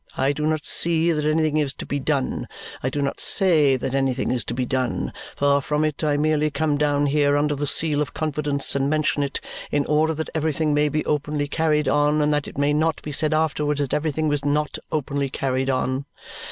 I do not see that anything is to be done. I do not say that anything is to be done. Far from it. I merely come down here under the seal of confidence and mention it in order that everything may be openly carried on and that it may not be said afterwards that everything was not openly carried on.